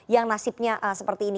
yang nasibnya seperti ini